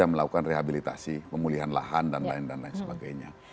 yang melakukan rehabilitasi pemulihan lahan dan lain lain sebagainya